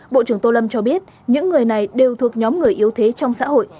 bộ trưởng tô lâm cho biết những người này đều thuộc nhóm người yếu thế trong xã hội